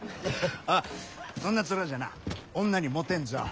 おうそんな面じゃな女にモテんぞ。